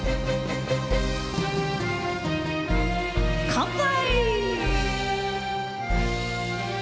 乾杯！